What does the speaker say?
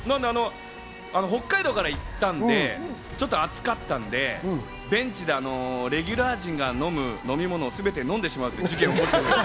北海道から行ったんで、ちょっと暑かったのでベンチでレギュラー陣が飲む飲み物をすべて飲んでしまうという事件を起こしたんです。